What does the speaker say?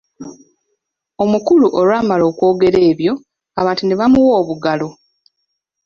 Omukulu olwamala okwogera ebyo, abantu ne bamuwa obugalo.